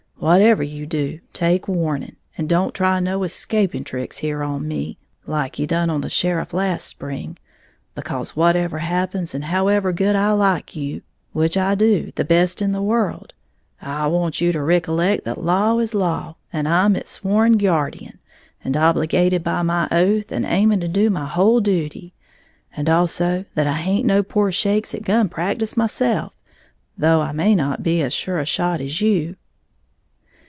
Whatever you do, take warning, and don't try no escapin' tricks here on me, like you done on the sheriff last spring. Because, whatever happens, and however good I like you which I do, the best in the world I want you to ricollect that law is law, and I'm its sworn gyuardeen, and obligated by my oath, and aiming to do my whole duty. And also, that I haint no poor shakes at gun practice myself, though I may not be as sure a shot as you."